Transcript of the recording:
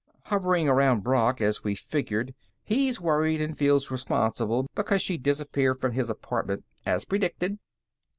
"Hovering around Brock, as we figured. He's worried and feels responsible because she disappeared from his apartment, as predicted."